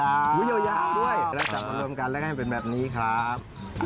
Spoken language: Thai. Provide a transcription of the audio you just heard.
กันละครับกันรวมกันแล้วก็ให้มันเป็นแบบนี้ครับ